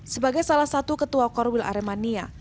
sebagai salah satu ketua korwil aremania